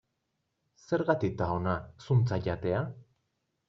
Zergatik da ona zuntza jatea?